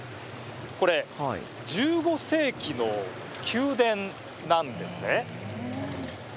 これ、１５世紀の宮殿なんですね。